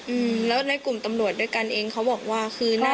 อืมแล้วในกลุ่มตำรวจด้วยกันเองเขาบอกว่าคือหน้า